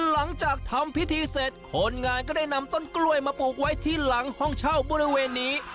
หลังจากทำพิธีเสร็จคนงานก็ได้นำต้นกล้วยมาปลูกไว้ที่หลังห้องเช่าบริเวณนี้